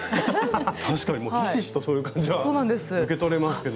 確かにひしひしとそういう感じは受け取れますけど。